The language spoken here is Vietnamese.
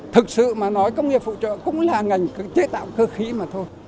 thực sự mà nói công nghiệp phụ trợ cũng là ngành chế tạo cơ khí mà thôi